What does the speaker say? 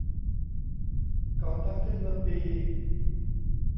ก่อตั้งขึ้นเมื่อปี